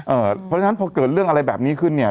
เพราะฉะนั้นพอเกิดเรื่องอะไรแบบนี้ขึ้นเนี่ย